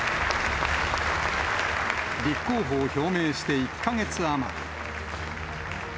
立候補を表明して１か月余り。